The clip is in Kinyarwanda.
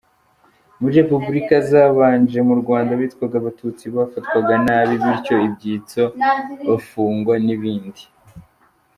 Muri Repubulika zabanje mu Rwanda abitwaga Abatutsi bafatwaga nabi, bitwa ibyitso, bafungwa n’ibindi.